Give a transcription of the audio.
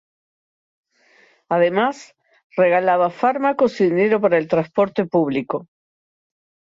Además, regalaba fármacos y dinero para el transporte público.